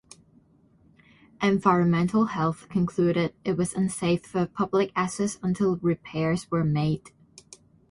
Environmental Health concluded it was unsafe for public access until repairs were made.